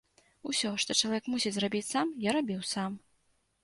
Усё, што чалавек мусіць зрабіць сам, я рабіў сам.